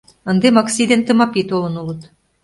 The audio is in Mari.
Ынде Макси ден Тымапи толын улыт.